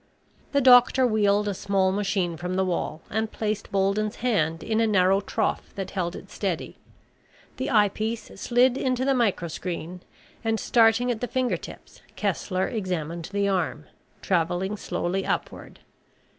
The doctor wheeled a small machine from the wall and placed Bolden's hand in a narrow trough that held it steady. The eyepiece slid into the microscreen and, starting at the finger tips, Kessler examined the arm, traveling slowly upward.